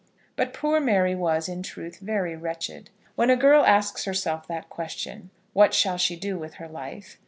But poor Mary was, in truth, very wretched. When a girl asks herself that question, what shall she do with her life?